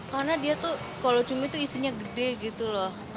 karena dia tuh kalau cumi itu isinya gede gitu loh